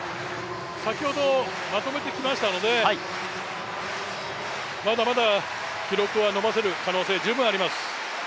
先ほどまとめてきましたのでまだまだ記録は伸ばせる可能性、十分あります。